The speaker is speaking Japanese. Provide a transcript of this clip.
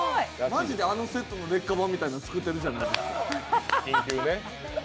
まじであのセットの劣化版みたいなの作ってるじゃないっすか。